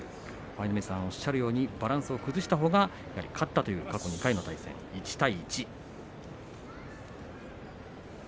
舞の海さん、おっしゃるようにバランスを崩したほうが勝ったという対戦でした。